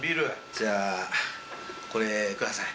じゃあこれください。